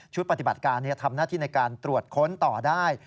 ปฏิบัติการทำหน้าที่ในการตรวจค้นต่อได้